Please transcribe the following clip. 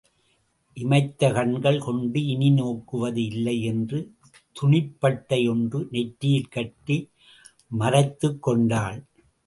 இமைத்த கண்கள் கொண்டு இனி நோக்குவது இல்லை என்று துணிப்பட்டை ஒன்று நெற்றியில் கட்டி மறைத்துக் கொண்டாள்.